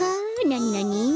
なになに？